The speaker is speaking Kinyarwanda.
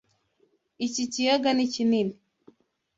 Iki kiyaga ni kinini.